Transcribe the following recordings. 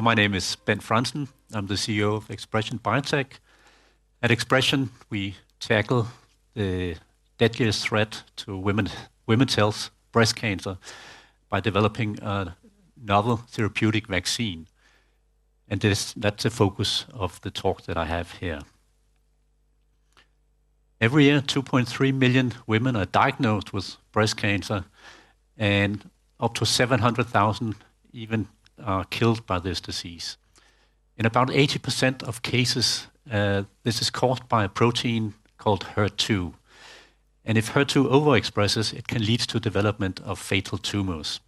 My name is Bent Frandsen. I'm the CEO of ExpreS2ion Biotech. At ExpreS2ion, we tackle the deadliest threat to women's health, breast cancer, by developing a novel therapeutic vaccine. That is the focus of the talk that I have here. Every year, 2.3 million women are diagnosed with breast cancer, and up to 700,000 even are killed by this disease. In about 80% of cases, this is caused by a protein called HER2. If HER2 overexpresses, it can lead to the development of fatal tumors.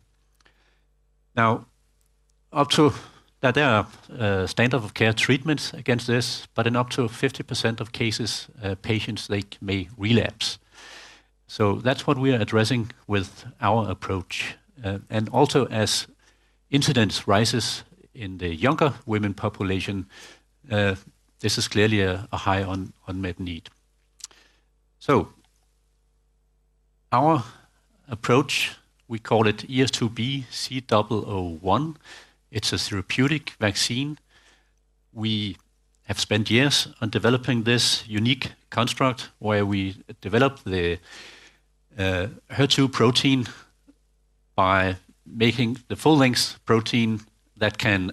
Up to that, there are standard of care treatments against this, but in up to 50% of cases, patients may relapse. That is what we are addressing with our approach. Also, as incidence rises in the younger women population, this is clearly a high unmet need. Our approach, we call it ES2B-C001. It's a therapeutic vaccine. We have spent years on developing this unique construct where we develop the HER2 protein by making the full-length protein that can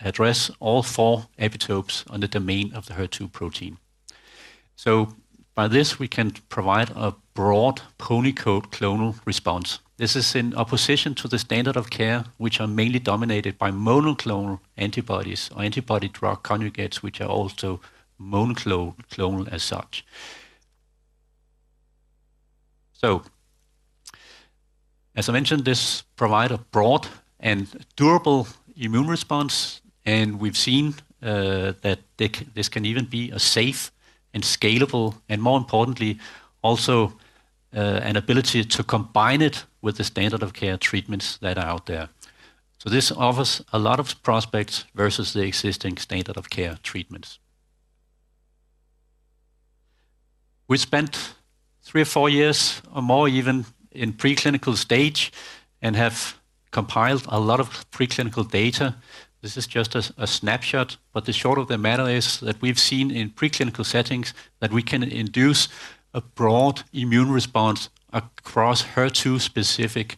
address all four epitopes on the domain of the HER2 protein. By this, we can provide a broad polyclonal response. This is in opposition to the standard of care, which are mainly dominated by monoclonal antibodies or antibody drug conjugates, which are also monoclonal as such. As I mentioned, this provides a broad and durable immune response. We have seen that this can even be safe and scalable, and more importantly, also an ability to combine it with the standard of care treatments that are out there. This offers a lot of prospects versus the existing standard of care treatments. We spent three or four years, or more even, in preclinical stage and have compiled a lot of preclinical data. This is just a snapshot. The short of the matter is that we've seen in preclinical settings that we can induce a broad immune response across HER2-specific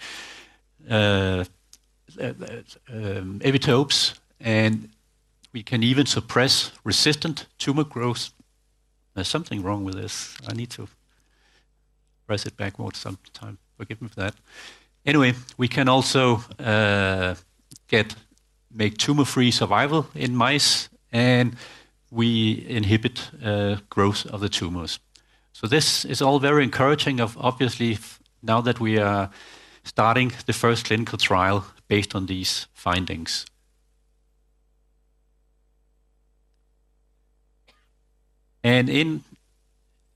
epitopes. We can even suppress resistant tumor growth. There's something wrong with this. I need to press it backwards sometime. Forgive me for that. Anyway, we can also make tumor-free survival in mice, and we inhibit growth of the tumors. This is all very encouraging, obviously, now that we are starting the first clinical trial based on these findings. In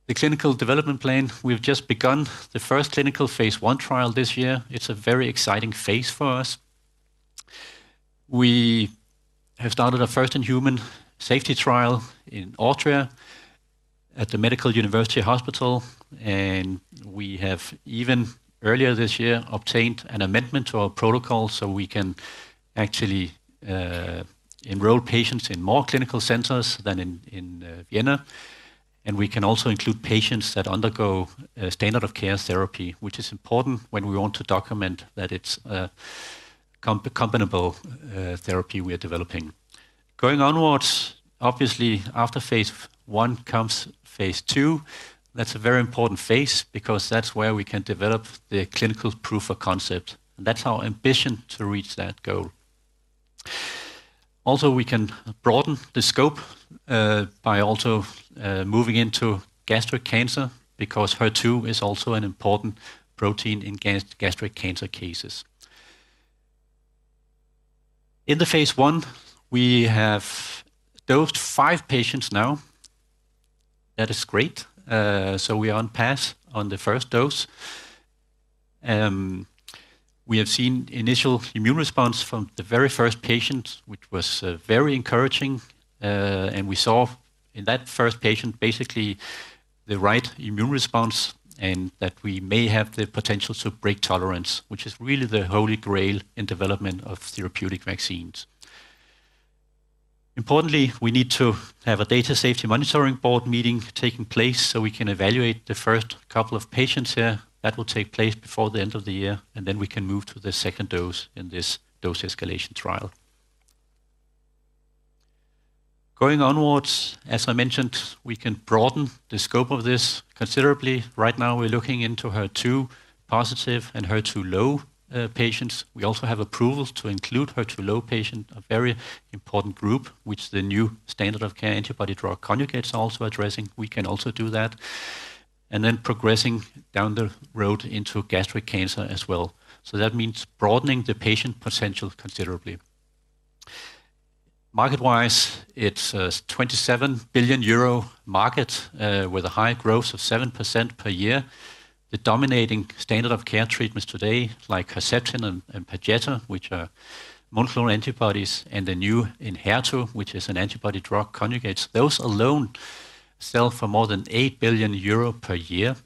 the clinical development plan, we've just begun the first clinical phase I trial this year. It's a very exciting phase for us. We have started our first in-human safety trial in Austria at the Medical University Hospital. Earlier this year, we obtained an amendment to our protocol so we can actually enroll patients in more clinical centers than in Vienna. We can also include patients that undergo standard of care therapy, which is important when we want to document that it's a compatible therapy we are developing. Going onwards, obviously, after phase I comes phase II. That's a very important phase because that's where we can develop the clinical proof of concept. That's our ambition to reach that goal. Also, we can broaden the scope by also moving into gastric cancer because HER2 is also an important protein in gastric cancer cases. In the phase I, we have dosed five patients now. That is great. We are on path on the first dose. We have seen initial immune response from the very first patient, which was very encouraging. We saw in that first patient basically the right immune response and that we may have the potential to break tolerance, which is really the holy grail in development of therapeutic vaccines. Importantly, we need to have a data safety monitoring board meeting taking place so we can evaluate the first couple of patients here. That will take place before the end of the year. We can move to the second dose in this dose escalation trial. Going onwards, as I mentioned, we can broaden the scope of this considerably. Right now, we're looking into HER2 positive and HER2 low patients. We also have approval to include HER2 low patients, a very important group, which the new standard of care antibody drug conjugates are also addressing. We can also do that. Progressing down the road into gastric cancer as well. That means broadening the patient potential considerably. Market-wise, it's a 27 billion euro market with a high growth of 7% per year. The dominating standard of care treatments today, like Herceptin and Perjeta, which are monoclonal antibodies, and the new Enhertu, which is an antibody drug conjugate, those alone sell for more than 8 billion euro per year.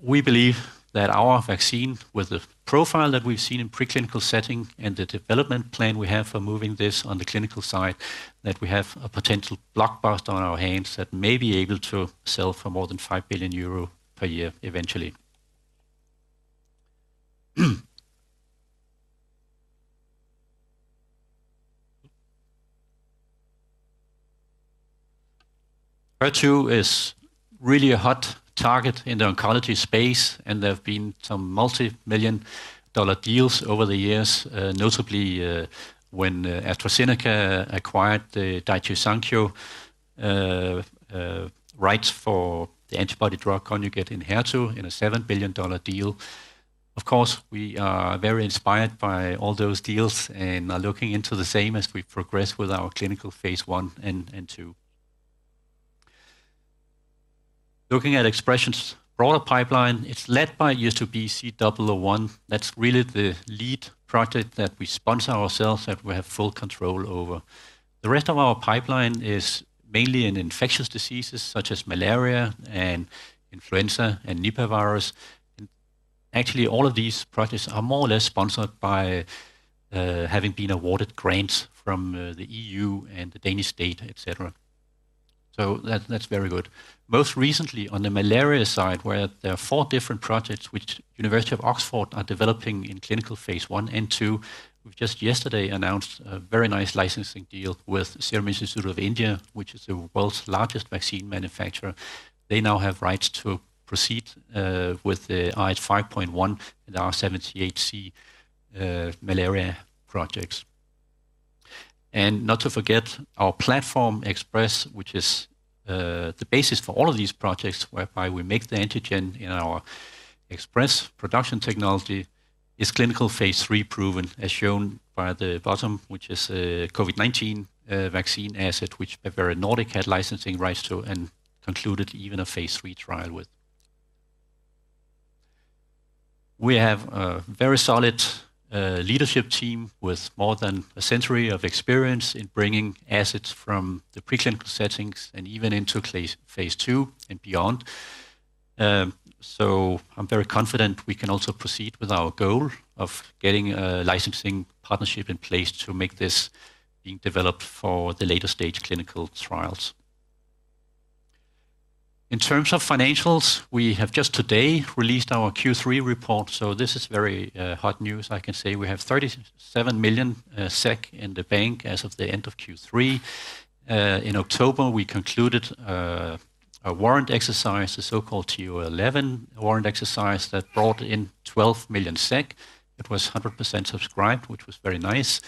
We believe that our vaccine, with the profile that we've seen in preclinical setting and the development plan we have for moving this on the clinical side, that we have a potential blockbuster on our hands that may be able to sell for more than 5 billion euro per year eventually. HER2 is really a hot target in the oncology space. There have been some multi-million dollar deals over the years, notably when AstraZeneca acquired the Daiichi Sankyo rights for the antibody drug conjugate Enhertu in a $7 billion deal. Of course, we are very inspired by all those deals and are looking into the same as we progress with our clinical phase I and II. Looking at ExpreS2ion's broader pipeline, it's led by ES2B-C001. That's really the lead project that we sponsor ourselves, that we have full control over. The rest of our pipeline is mainly in infectious diseases such as malaria and influenza and Nipah virus. Actually, all of these projects are more or less sponsored by having been awarded grants from the EU and the Danish state, etc. That is very good. Most recently, on the malaria side, where there are four different projects which the University of Oxford are developing in clinical phase I and II, we've just yesterday announced a very nice licensing deal with Serum Institute of India, which is the world's largest vaccine manufacturer. They now have rights to proceed with the RH5.1 and R21 malaria projects. Not to forget, our platform, ExpreS2, which is the basis for all of these projects, whereby we make the antigen in our ExpreS2 production technology, is clinical phase III proven, as shown by the bottom, which is a COVID-19 vaccine asset, which Bavarian Nordic had licensing rights to and concluded even a phase III trial with. We have a very solid leadership team with more than a century of experience in bringing assets from the preclinical settings and even into phase II and beyond. I'm very confident we can also proceed with our goal of getting a licensing partnership in place to make this being developed for the later stage clinical trials. In terms of financials, we have just today released our Q3 report. This is very hot news, I can say. We have 37 million SEK in the bank as of the end of Q3. In October, we concluded a warrant exercise, the so-called TO11 warrant exercise that brought in 12 million SEK. It was 100% subscribed, which was very nice.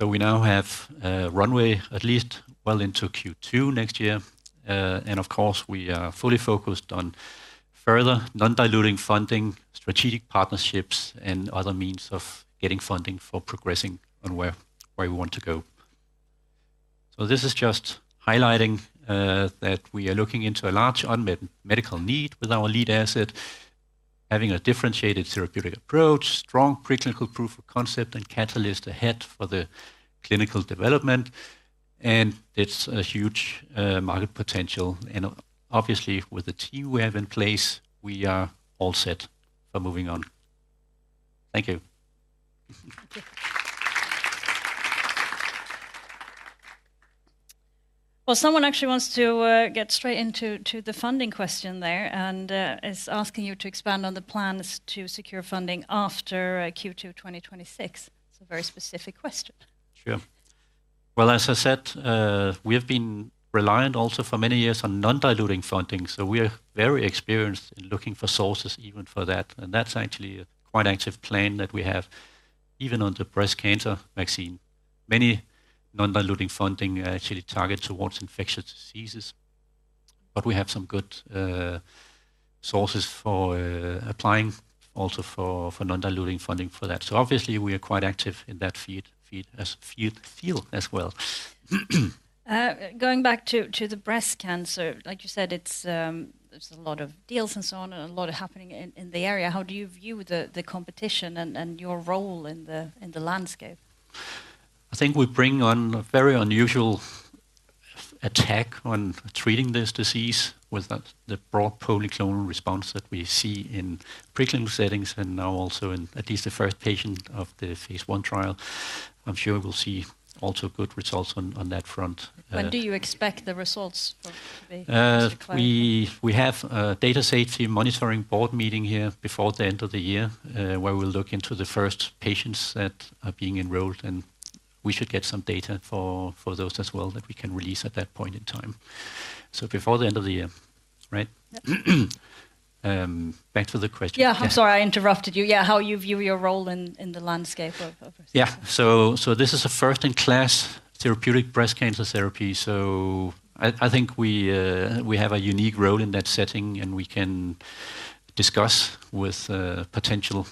We now have a runway at least well into Q2 next year. Of course, we are fully focused on further non-diluting funding, strategic partnerships, and other means of getting funding for progressing on where we want to go. This is just highlighting that we are looking into a large unmet medical need with our lead asset, having a differentiated therapeutic approach, strong preclinical proof of concept, and catalyst ahead for the clinical development. It is a huge market potential. Obviously, with the team we have in place, we are all set for moving on. Thank you. Someone actually wants to get straight into the funding question there and is asking you to expand on the plans to secure funding after Q2 2026. It's a very specific question. Sure. As I said, we have been reliant also for many years on non-diluting funding. We are very experienced in looking for sources even for that. That is actually a quite active plan that we have, even on the breast cancer vaccine. Many non-diluting funding actually target towards infectious diseases. We have some good sources for applying also for non-diluting funding for that. Obviously, we are quite active in that field as well. Going back to the breast cancer, like you said, there's a lot of deals and so on and a lot happening in the area. How do you view the competition and your role in the landscape? I think we bring on a very unusual attack on treating this disease with the broad polyclonal response that we see in preclinical settings and now also in at least the first patient of the phase I trial. I'm sure we'll see also good results on that front. When do you expect the results to be? We have a data safety monitoring board meeting here before the end of the year, where we'll look into the first patients that are being enrolled. We should get some data for those as well that we can release at that point in time. Before the end of the year, right? Back to the question. Yeah, I'm sorry, I interrupted you. Yeah, how you view your role in the landscape of. Yeah, this is a first-in-class therapeutic breast cancer therapy. I think we have a unique role in that setting. We can discuss with potential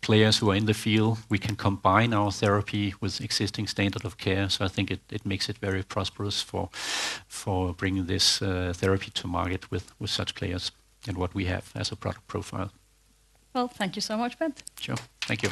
players who are in the field. We can combine our therapy with existing standard of care. I think it makes it very prosperous for bringing this therapy to market with such players and what we have as a product profile. Thank you so much, Bent. Sure. Thank you.